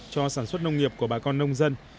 cho sản xuất nông nghiệp của bà con nông dân